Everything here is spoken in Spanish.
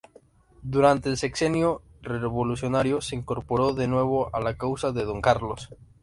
Durante el Sexenio Revolucionario se incorporó de nuevo a la causa de Don Carlos.